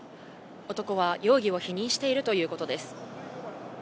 男は容疑を否認しているということです。